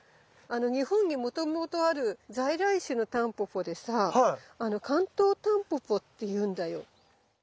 日本にもともとある在来種のタンポポでさカントウタンポポっていうんだよ。